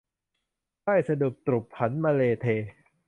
ได้สดุบตรุบหันมะเลเท